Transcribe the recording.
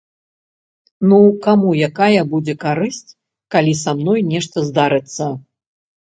Ну каму якая будзе карысць, калі са мной нешта здарыцца.